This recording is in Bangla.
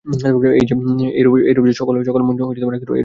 এইরূপ যে-সকল মন একসুরে বাঁধা, একরূপ চিন্তা তাহাদের উপর সমভাবে কার্য করিবে।